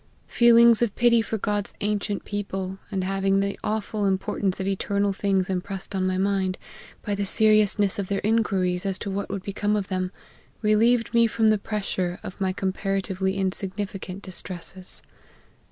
Feelings of pity for God's ancient people, and having the awful importance of eternal things impressed on my mind, by the seriousness of their inquiries as to what would become of them, relieved me from the pressure of my comparatively insignificant distresses.